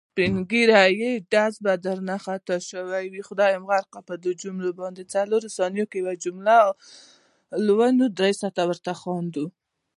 سپین ږیری یې ډز به درنه خطا شوی وي.